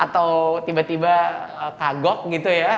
atau tiba tiba kagok gitu ya